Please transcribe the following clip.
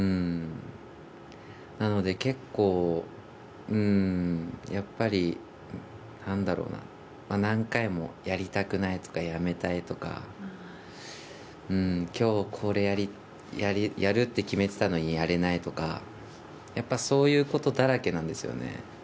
なので結構やっぱり、なんだろうな何回もやりたくないとかやめたいとか。今日、これをやるって決めていたのにやれないとかそういうことだらけなんです。